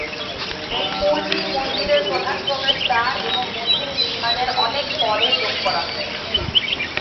এই পুলটি মন্দিরের প্রধান প্রবেশদ্বার, এবং মন্দির নির্মাণের অনেক পরে যোগ করা হয়েছে।